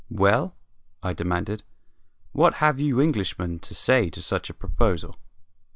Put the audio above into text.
"Well," I demanded, "what have you Englishmen to say to such a proposal?"